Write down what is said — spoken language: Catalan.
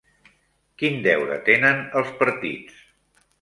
Quin deure tenen els partits?